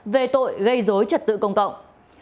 về tội gây dối trật tự công cộng